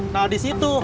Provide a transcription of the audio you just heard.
nah di situ